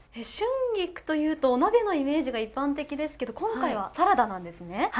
春菊というとお鍋のイメージが一般的ですけど今回はサラダなんですね？